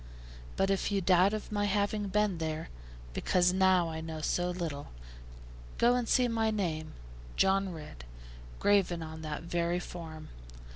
But if you doubt of my having been there, because now I know so little, go and see my name, 'John Ridd,' graven on that very form.